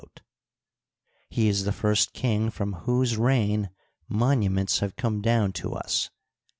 He is the first king from whose reign monuments have come down to us.